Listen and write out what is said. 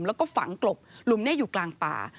แล้วก็ฝังกลบหลุมนี้อยู่กลางป่า